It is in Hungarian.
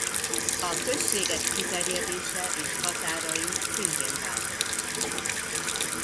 A községek kiterjedése és határai szintén változtak.